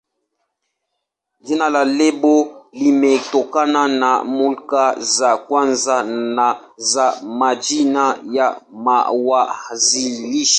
Jina la lebo limetokana na nukta za kwanza za majina ya waanzilishi.